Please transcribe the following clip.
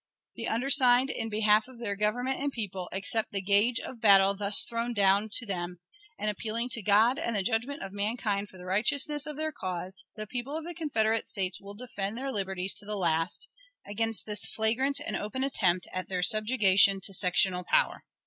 The undersigned, in behalf of their Government and people, accept the gage of battle thus thrown down to them; and, appealing to God and the judgment of mankind for the righteousness of their cause, the people of the Confederate States will defend their liberties to the last, against this flagrant and open attempt at their subjugation to sectional power.